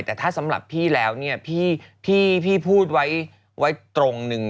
แต่ถ้าสำหรับพี่แล้วเนี่ยพี่พูดไว้ตรงหนึ่ง